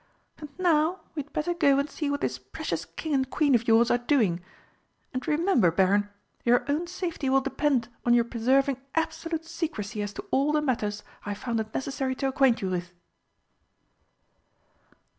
And now we had better go and see what this precious King and Queen of yours are doing, and remember, Baron, your own safety will depend on your preserving absolute secrecy as to all the matters I have found it necessary to acquaint you with."